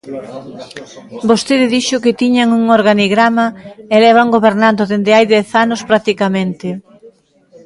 Vostede dixo que tiñan un organigrama, e levan gobernando dende hai dez anos practicamente.